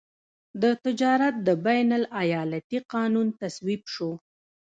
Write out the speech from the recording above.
د تجارت د بین الایالتي قانون تصویب شو.